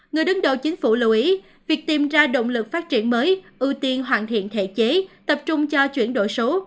người đứng đầu chính phủ lưu ý việc tìm ra động lực phát triển mới ưu tiên hoàn thiện thể chế tập trung cho chuyển đổi số